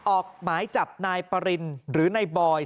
ออกหมายจับนายปรินหรือนายบอย